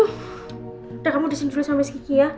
udah kamu disinjulah sama miss kiki ya